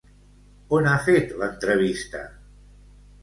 On ha fet l'entrevista?